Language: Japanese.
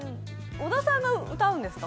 小田さんが歌うんですか？